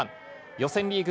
予選リーグ